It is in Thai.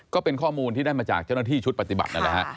ก็เป็นข้อมูลที่ได้มาจากเจ้าหน้าที่ชุดปฏิบัตินั่นแหละฮะ